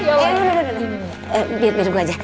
eh biar gue aja